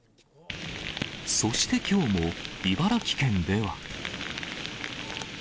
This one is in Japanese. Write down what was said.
そしてきょうも、茨城県では。